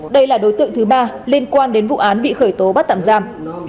đây là đối tượng thứ ba liên quan đến vụ án bị khởi tố bắt tạm giam